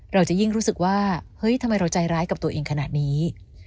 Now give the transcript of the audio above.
เราจะยิ่งรู้สึกว่าเฮ้ยทำไมเราใจร้ายกับตัวเองขนาดนี้